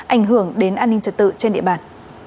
ảnh hưởng đến an ninh trật tự trên địa bàn